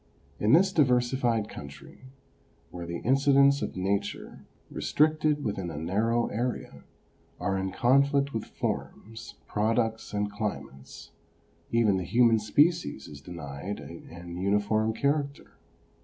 In this diversified country, where the incidents of Nature, restricted within a narrow area, are in conflict with forms, products and chmates, even the human species is denied an uniform character.